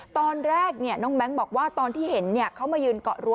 ตอนแรกน้องแบงค์บอกว่าตอนที่เห็นเขามายืนเกาะรั้